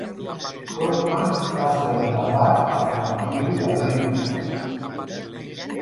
Hurdman va ser enterrat al cementiri de Beechwood.